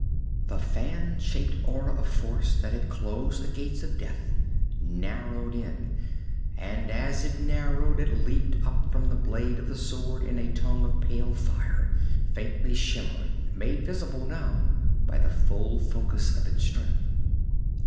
The fan shaped aura of force that had closed the Gates of Death narrowed in, and as it narrowed it leaped up from the blade of the sword in a tongue of pale fire, faintly shimmering, made visible now by the full focus of its strength.